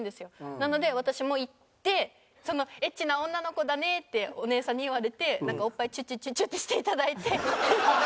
なので私も行って「Ｈな女の子だね」ってお姉さんに言われておっぱいチュチュチュチュってして頂いて。